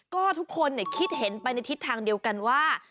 ก็ทุกคนคิดเห็นไปในทิศทางเดียวกันว่า